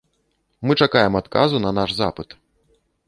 Мы чакаем адказу на наш запыт.